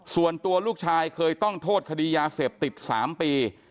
ส่วนตัวลูกชายเคยต้องโทษคดียาเสพติด๓ปี